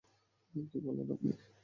কী বললেন আপনি?